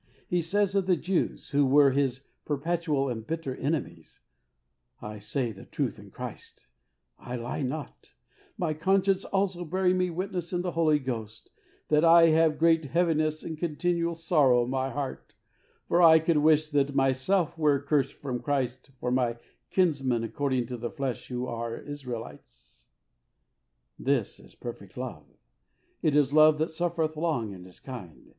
He says of the Jews, who were his perpetual and bitter enemies, " I say the truth in Christ, I lie not, my conscience also bearing me witness in the Holy Ghost, that I have great heaviness and continual sorrow in my heart, for I could wish that myself were accursed from Christ for my kinsmen according to the flesh who are Israelites." This is perfect love. It is love that " suffereth long, and is kind."